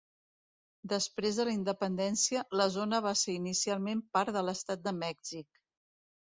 Després de la Independència, la zona va ser inicialment part de l'estat de Mèxic.